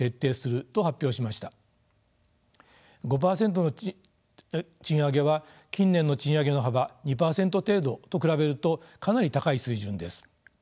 ５％の賃上げは近年の賃上げの幅２％程度と比べるとかなり高い水準です。